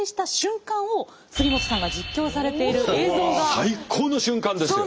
最高の瞬間ですよ。